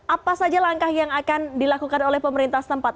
apa saja langkah yang akan dilakukan oleh pemerintah setempat